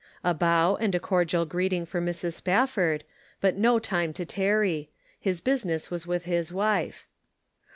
A bow and a cordial greeting for Mrs. Spafford, but no time to tarry ; his business was with his wife.